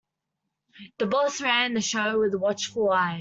The boss ran the show with a watchful eye.